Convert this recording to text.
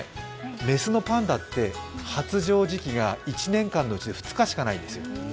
雌のパンダって発情時期が１年間のうちで２日しかないんですよ。